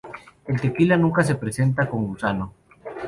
El tequila nunca se presenta con gusano.